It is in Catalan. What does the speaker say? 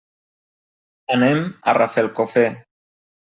Anem a Rafelcofer.